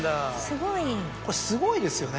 これすごいですよね。